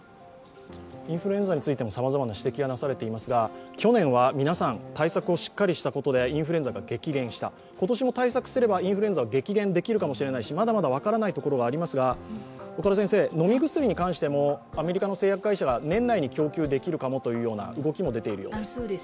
インフルエンザについてもさまざまな指摘がなされていますが去年は皆さん、対策をしっかりしたことでインフルエンザが激減した今年も対策すればインフルエンザを激減できるかもしれないしまだまだ分からないところはありますが、飲み薬に関してもアメリカの製薬会社が年内に供給できるかもという動きがあるようです。